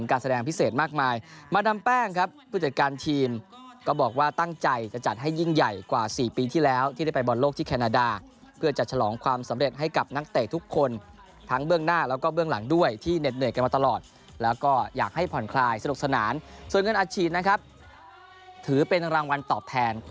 การแสดงพิเศษมากมายมาดามแป้งครับผู้จัดการทีมก็บอกว่าตั้งใจจะจัดให้ยิ่งใหญ่กว่า๔ปีที่แล้วที่ได้ไปบอลโลกที่แคนาดาเพื่อจะฉลองความสำเร็จให้กับนักเตะทุกคนทั้งเบื้องหน้าแล้วก็เบื้องหลังด้วยที่เหน็ดเหนื่อยกันมาตลอดแล้วก็อยากให้ผ่อนคลายสนุกสนานส่วนเงินอัดฉีดนะครับถือเป็นรางวัลตอบแทน